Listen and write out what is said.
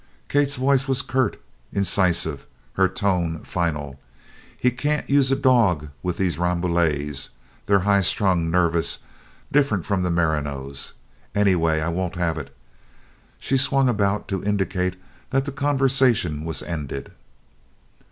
Kate's voice was curt, incisive, her tone final. "He can't use a dog on these Rambouillets they're high strung, nervous, different from the merinos. Anyway, I won't have it." She swung about to indicate that the conversation was ended.